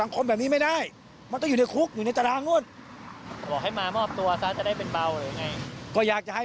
เขารอลูกหลานเขาอยูน่ะไอ้ไข่